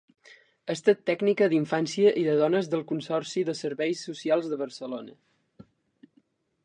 Ha estat tècnica d'Infància i de dones del Consorci de Serveis Socials de Barcelona.